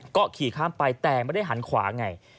ก็ขี่ข้ามไปแต่ไม่ได้หันขวาไง